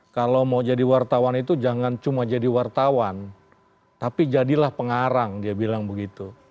kalau mau jadi wartawan itu jangan cuma jadi wartawan tapi jadilah pengarang dia bilang begitu